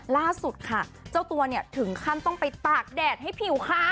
ล่าสุดค่ะเจ้าตัวเนี่ยถึงขั้นต้องไปตากแดดให้ผิวค่ะ